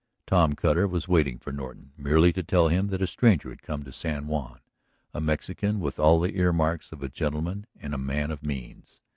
Tom Cutter was waiting for Norton merely to tell him that a stranger had come to San Juan, a Mexican with all the earmarks of a gentleman and a man of means.